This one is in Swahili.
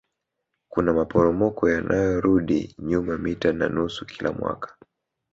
Kuna maporomoko yanayorudi nyuma mita na nusu kila mwaka